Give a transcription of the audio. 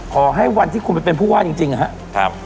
ขอให้วันที่คุณไปเป็นผู้ว่าจริงนะครับ